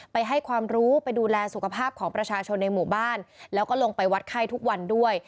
ให้ความรู้ไปดูแลสุขภาพของประชาชนในหมู่บ้านแล้วก็ลงไปวัดไข้ทุกวันด้วย